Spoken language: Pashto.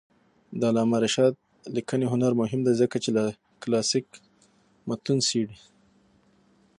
د علامه رشاد لیکنی هنر مهم دی ځکه چې کلاسیک متون څېړي.